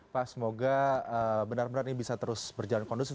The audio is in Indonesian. pak semoga benar benar ini bisa terus berjalan kondusif